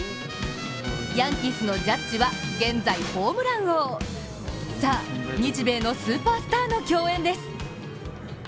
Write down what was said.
ヤンキースのジャッジは現在ホームラン王さあ、日米のスーパースターの競演です。